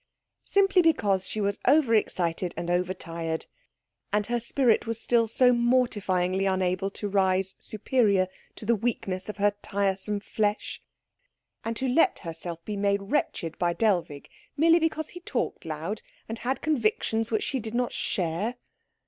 Simply because she was over excited and over tired, and her spirit was still so mortifyingly unable to rise superior to the weakness of her tiresome flesh. And to let herself be made wretched by Dellwig, merely because he talked loud and had convictions which she did not share!